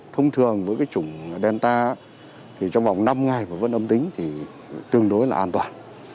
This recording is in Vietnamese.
thông thường với cái chủng delta thì trong vòng năm ngày mà vẫn âm tính thì tương đối là an toàn